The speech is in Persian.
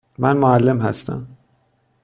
من معلم هستم.